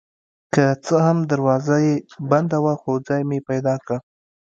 که څه هم دروازه یې بنده وه خو ځای مې پیدا کړ.